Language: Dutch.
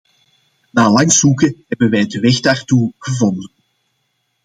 Na lang zoeken hebben wij de weg daartoe gevonden.